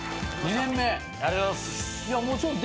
ありがとうございます。